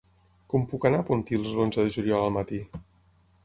Com puc anar a Pontils l'onze de juliol al matí?